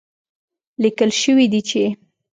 ليکل شوي دي چې